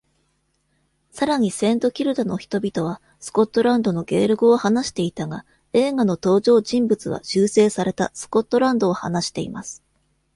さらに、セントキルダの人々は、スコットランドのゲール語を話していたが、映画の登場人物は修正されたスコットランドを話しています。